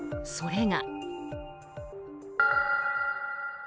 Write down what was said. それが。